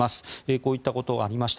こういったことがありました。